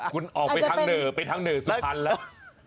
คุณออกไปทางเนอร์ไปทางเนอร์สุภัณฑ์แล้ว